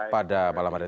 pada malam hari ini